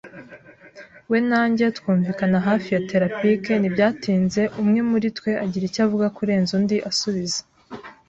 We na njye twunvikana hafi ya telepathic. Ntibyatinze umwe muri twe agira icyo avuga kurenza undi asubiza.